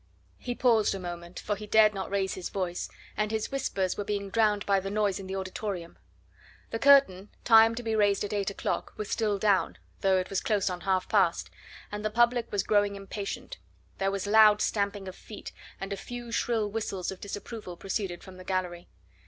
He paused a moment, for he dared not raise his voice, and his whispers were being drowned by the noise in the auditorium. The curtain, timed to be raised at eight o'clock, was still down, though it was close on half past, and the public was growing impatient. There was loud stamping of feet, and a few shrill whistles of disapproval proceeded from the gallery.